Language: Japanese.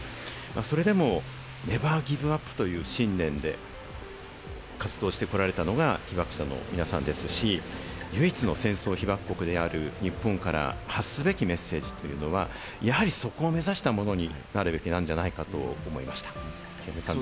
それでもネバーギブアップという信念で活動されてこられたのが被爆者の皆さんですし、唯一の戦争被爆国である日本から発すべきメッセージというのは、やはりそこを目指したものになるべきなんじゃないかと思いました。